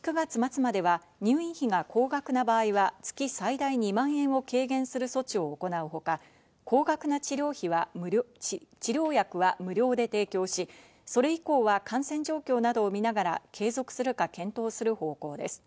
一方、今年９月末までは入院費が高額な場合は月、最大２万円を軽減する措置を行うほか、高額な治療薬は無料で提供し、それ以降は感染状況などを見ながら継続するか検討する方向です。